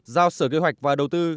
giao sở kế hoạch và đầu tư